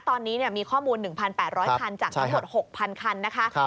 ตอนนี้มีข้อมูล๑๘๐๐คันจากทั้งหมด๖๐๐คันนะคะ